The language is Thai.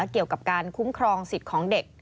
เกี่ยวกับการคุ้มครองสิทธิ์ของเด็ก